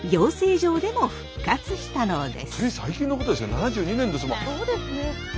そうですね。